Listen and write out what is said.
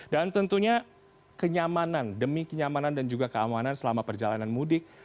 dan tentunya kenyamanan demi kenyamanan dan juga keamanan selama perjalanan mudik